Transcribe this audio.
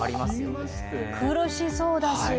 苦しそうだし。